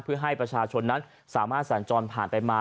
เพื่อให้ประชาชนนั้นสามารถสัญจรผ่านไปมา